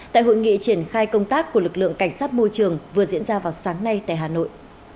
tại hội nghị triển khai công tác của lực lượng cảnh sát môi trường vừa diễn ra vào sáng nay tại hà nội